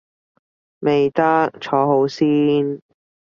未得，坐好先